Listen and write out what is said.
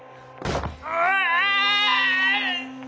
うわ！